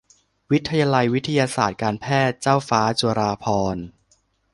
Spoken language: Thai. วิทยาลัยวิทยาศาสตร์การแพทย์เจ้าฟ้าจุฬาภรณ์